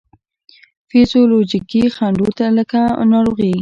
فزیولوجیکي خنډو نه لکه ناروغي،